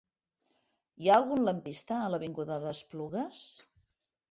Hi ha algun lampista a l'avinguda d'Esplugues?